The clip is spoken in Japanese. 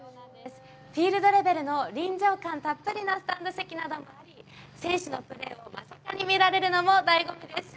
フィールドレベルの臨場感たっぷりのスタンド席などもあり、選手のプレーを間近に見られるのもだいご味です。